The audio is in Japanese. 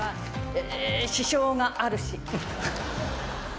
え支障があるし。